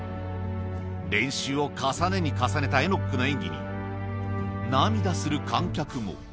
練習を重ねに重ねたエノックの演技に、涙する観客も。